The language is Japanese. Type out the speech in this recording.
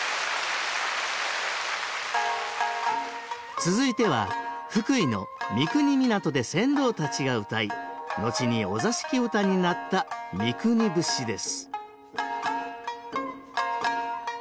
続いては福井の三国港で船頭たちがうたい後にお座敷唄になった「三国節」です